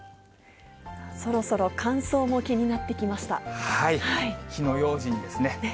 そろそろ乾燥も気になってき火の用心ですね。